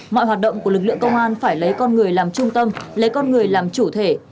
mọi hoạt động của lực lượng công an phải lấy con người làm trung tâm lấy con người làm chủ thể